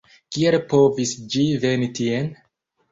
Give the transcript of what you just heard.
Kiel povis ĝi veni tien?